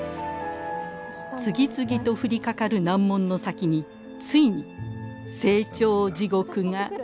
次々と降りかかる難問の先についに「清張地獄」が口を開ける。